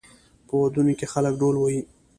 په ودونو کې خلک ډول وهي.